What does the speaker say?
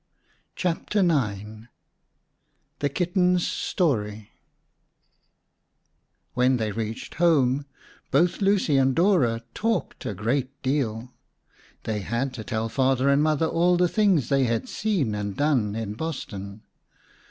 CHAPTER IX THE KITTEN'S STORY When they reached home, both Lucy and Dora talked a great deal. They had to tell Father and Mother all the things they had seen and done in Boston.